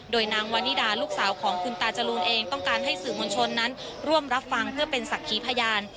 โดยนางวันนิดาลูกสาวของคุณตาจรูนเองต้องการให้สื่อมวลชนนั้นร่วมรับฟังเพื่อเป็นศักดิ์ขีพยาน